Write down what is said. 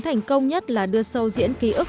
thành công nhất là đưa sâu diễn ký ức